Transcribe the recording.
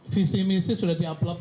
visi misi sudah di upload